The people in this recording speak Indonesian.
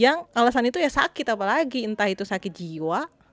yang alasan itu ya sakit apalagi entah itu sakit jiwa